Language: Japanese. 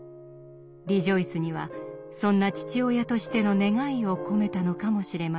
「Ｒｅｊｏｉｃｅ！」にはそんな父親としての願いを込めたのかもしれません。